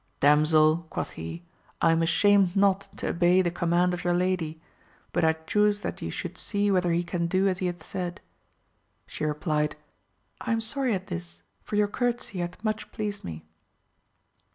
Damsel, quoth he, I am ashamed not to obey the command of your lady, but I chuse that you should see whether he can do as he hath said. She replied, I am sorry at this, for your courtesy hath much pleased me.